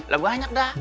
lagu banyak dah